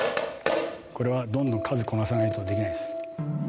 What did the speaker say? これはどんどん数こなさないとできないです。